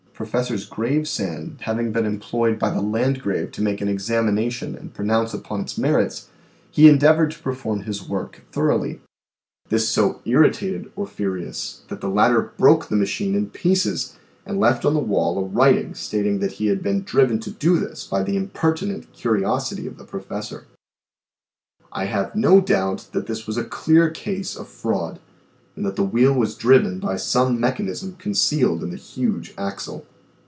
Professor 'sGravesande having been employed by the Landgrave to make an examination and pronounce upon its merits, he endeavored to perform his work thoroughly ; this so irritated Orffyreus that the latter broke the machine in pieces, and left on the wall a writing stating that he had been driven to do this by the impertinent curiosity of the Professor ! I have no doubt that this was a clear case of fraud, and that the wheel was driven by some mechanism concealed in the huge axle.